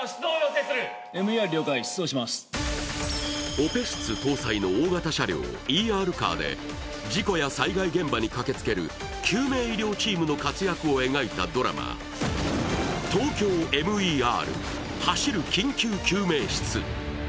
オペ室搭載の大型車両＝ＥＲカーで事故や災害現場に駆けつける救命医療チームの活躍を描いたドラマ「ＴＯＫＹＯＭＥＲ